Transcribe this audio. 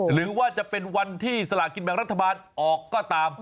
หรือว่าจะเป็นวันที่สลากินแบ่งรัฐบาลออกก็ตาม